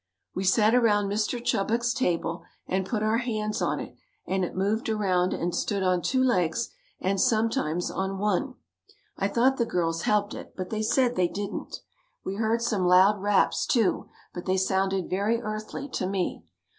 We sat around Mr. Chubbuck's table and put our hands on it and it moved around and stood on two legs and sometimes on one. I thought the girls helped it but they said they didn't. We heard some loud raps, too, but they sounded very earthly to me.